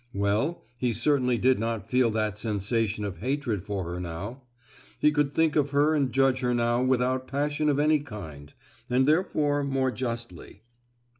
Well, he certainly did not feel that sensation of hatred for her now; he could think of her and judge her now without passion of any kind, and therefore more justly.